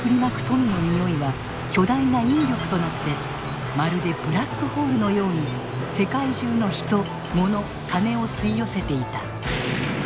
富のにおいは巨大な引力となってまるでブラックホールのように世界中のヒト・モノ・カネを吸い寄せていた。